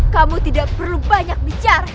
kamu tidak perlu banyak bicara